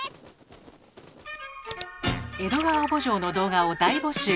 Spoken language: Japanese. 「江戸川慕情」の動画を大募集。